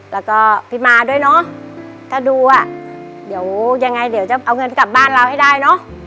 แล้วก็พี่มาด้วยเนอะถ้าดูอ่ะเดี๋ยวยังไงเดี๋ยวจะเอาเงินกลับบ้านเราให้ได้เนอะ